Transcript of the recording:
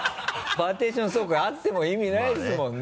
パーティションそうかあっても意味ないですもんね。